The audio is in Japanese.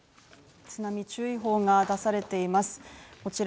津波注意報が出されています。